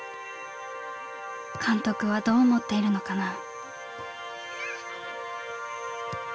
監督はどう思っているのかな」。